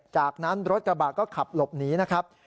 จากนั้นรถกระบะก็ขับหลบหนีนะครับ